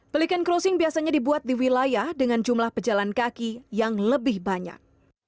pelikan crossing biasanya dibuat di wilayah dengan jumlah pejalan kaki yang lebih banyak